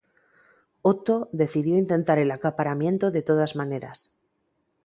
Otto decidió intentar el acaparamiento de todas maneras.